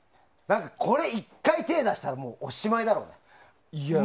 これに１回手を出したらおしまいだろうね。